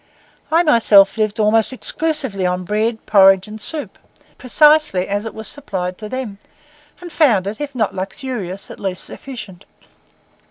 I myself lived almost exclusively on bread, porridge, and soup, precisely as it was supplied to them, and found it, if not luxurious, at least sufficient.